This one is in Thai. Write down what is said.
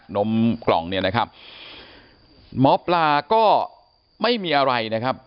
นมกล่องเนี่ยนะครับหมอปลาก็ไม่มีอะไรนะครับ